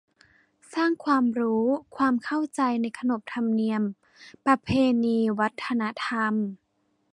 สร้างความรู้ ความเข้าใจในขนบธรรมเนียม ประเพณี วัฒนธรรม